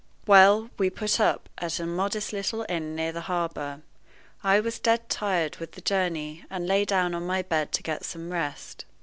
Well, we put up at a modest little inn near the harbor. I was dead tired with the journey, and lay down on my bed to get some rest.